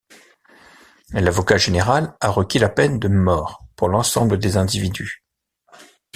L'avocat général a requis la peine de mort pour l'ensemble des individus.